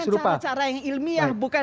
dengan cara cara yang ilmiah bukan